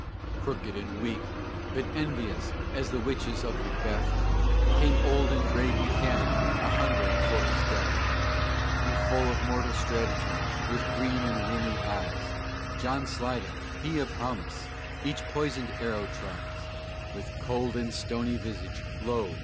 Crooked and weak, but envious as the witches of Macbeth, Came old and gray Buchanan a hungering for his death; And full of mortal strategy, with green and rheumy eyes, John Slidell he of Houmas each poisoned arrow tries. With cold and stony visage, lo!